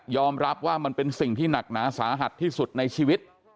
รับว่ามันเป็นสิ่งที่หนักหนาสาหัสที่สุดในชีวิต